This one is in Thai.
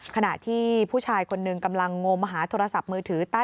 ขณะที่ผู้ชายคนหนึ่งกำลังงมหาโทรศัพท์มือถือ